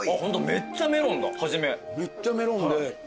めっちゃメロンで。